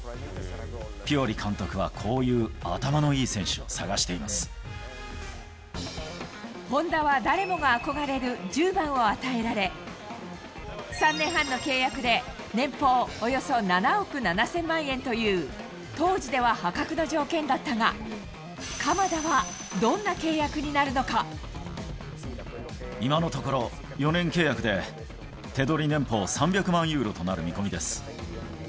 ピオリ監督は、こういう頭のいい本田は誰もが憧れる１０番を与えられ、３年半の契約で、年俸およそ７億７０００万円という、当時では破格の条件だったが、今のところ、４年契約で、手取り年俸３００万ユーロとなる見込みです。